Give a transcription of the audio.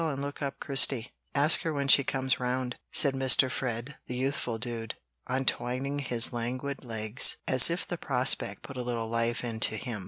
And look up Christie; ask her when she comes round," said Mr. Fred, the youthful dude, untwining his languid legs as if the prospect put a little life into him.